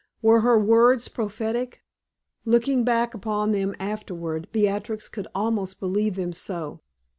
Were her words prophetic? Looking back upon them afterward, Beatrix could almost believe them so.